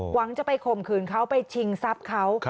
หวังจะไปข่มขืนเขาไปชิงทรัพย์เขา